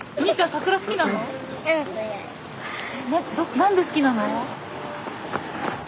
何で好きなの？